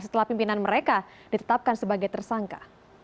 setelah pimpinan mereka ditetapkan sebagai tersangka